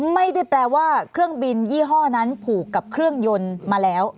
ไม่ได้แปลว่าเครื่องบินยี่ห้อนั้นผูกกับเครื่องยนต์มาแล้ว